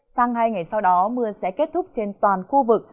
sang hai ngày sau đó mưa sẽ kết thúc trên toàn khu vực